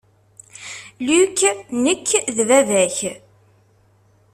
Luke, nekk d baba-k.